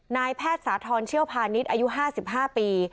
นายแพทย์สาธรณ์เชี่ยวพาณิชย์อายุ๕๕ปี